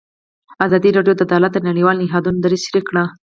ازادي راډیو د عدالت د نړیوالو نهادونو دریځ شریک کړی.